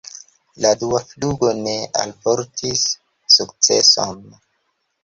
La dua flugo ne alportis sukceson.